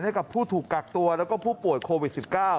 ให้กับผู้ถูกกักตัวแล้วก็ผู้ป่วยโควิด๑๙